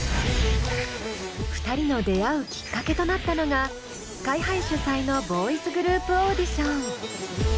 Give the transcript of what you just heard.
２人の出会うきっかけとなったのがＳＫＹ−ＨＩ主催のボーイズグループオーディション。